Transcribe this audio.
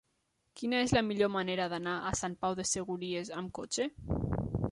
Quina és la millor manera d'anar a Sant Pau de Segúries amb cotxe?